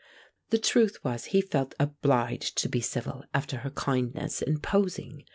The truth was he felt obliged to be civil after her kindness in posing.